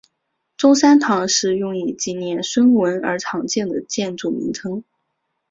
中山堂是用以纪念孙文而常见的建筑名称。